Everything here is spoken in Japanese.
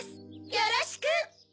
よろしく！